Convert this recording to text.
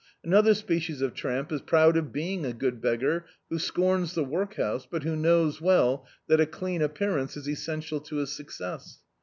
Another species of tramp is proud of being a good beggar, who scorns the workhouse, but who knows well that a clean ap pearance is essential to his success.